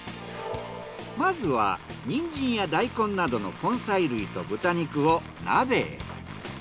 まずはニンジンや大根などの根菜類と豚肉を鍋へ。